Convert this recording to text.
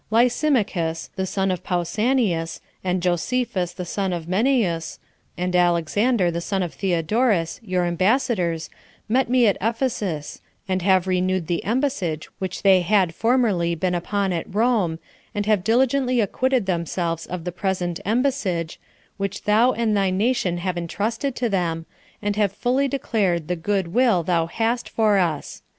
Lysimachus, the son of Pausanias, and Josephus, the son of Menneus, and Alexander, the son of Theodorus, your ambassadors, met me at Ephesus, and have renewed the embassage which they had formerly been upon at Rome, and have diligently acquitted themselves of the present embassage, which thou and thy nation have intrusted to them, and have fully declared the goodwill thou hast for us.